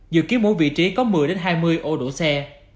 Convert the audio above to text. dự kiến mỗi vị trí có một mươi hai mươi ô đổ xe